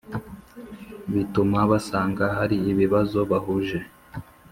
bituma basanga hari ibibazo bahuje,